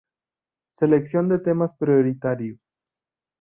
Selección de temas prioritarios.